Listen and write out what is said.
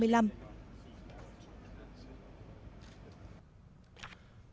hãy đăng ký kênh để nhận thông tin nhất